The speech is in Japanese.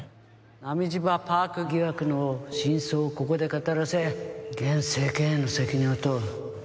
波島パーク疑惑の真相をここで語らせ現政権への責任を問う。